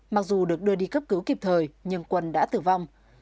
mặc dù được đưa đi cấp cứu kịp thời nhưng quân đã tử vong